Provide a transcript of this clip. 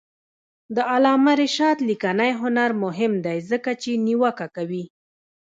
د علامه رشاد لیکنی هنر مهم دی ځکه چې نیوکه کوي.